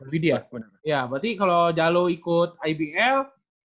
berarti kalo jalul ikut ibl